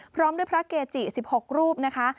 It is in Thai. พร้อมด้วยพระเกจิ๑๖รูปนะคะ